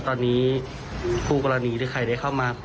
ตอนนี้คุณแม่รู้สึกยังไงบ้างครับ